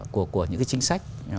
của những cái chính sách